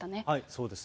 そうです。